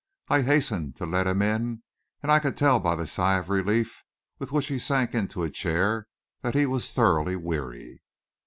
I hastened to let him in, and I could tell by the sigh of relief with which he sank into a chair that he was thoroughly weary.